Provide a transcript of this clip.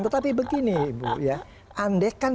tetapi begini andekan